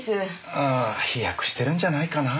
ああ飛躍してるんじゃないかな。